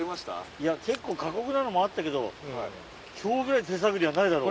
いや結構過酷なのもあったけど今日ぐらい手探りはないだろう。